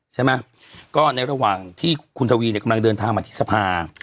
ใช่ไหมก็ในระหว่างที่คุณทวีเนี่ยกำลังเดินทางมาที่สภา